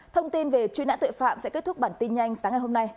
thông tin về truy nã tội phạm sẽ kết thúc bản tin nhanh sáng ngày hôm nay